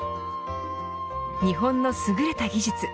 日本のすぐれた技術。